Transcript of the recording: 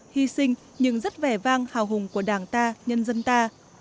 hy sinh nhưng rất vẻ vang hào hùng của đảng ta nhân dân ta